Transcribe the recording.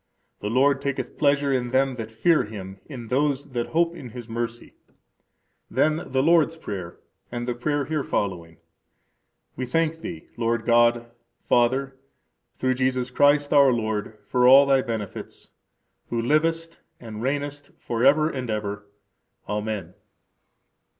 The Lord taketh pleasure in them that fear Him, in those that hope in His mercy. Then the Lord's Prayer and the prayer here following: We thank Thee, Lord God, Father, through Jesus Christ, our Lord, for all Thy benefits, who livest and reignest forever and ever. Amen.